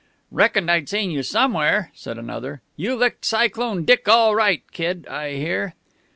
"Reckoned I'd seen you somewhere!" said another. "You licked Cyclone Dick all right, Kid, I hear."